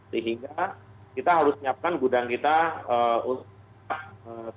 sehingga kita harus siapkan gudang kita untuk